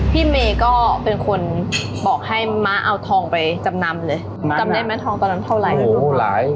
พี่เมย์ก็เป็นคนบอกให้ม้าเอาทองไปจำนำเลยจำได้แม่ทองตอนนั้นเท่าไหร่โหหลาย